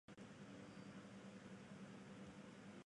トマトを食べた。